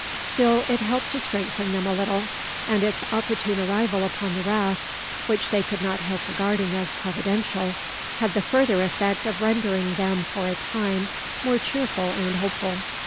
Still it helped to strengthen them a little; and its opportune arrival upon the raft which they could not help regarding as providential had the further effect of rendering them for a time more cheerful and hopeful.